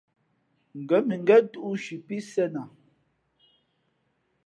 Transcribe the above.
Ngα̌ mʉngén tūꞌ nshi pí sēn a.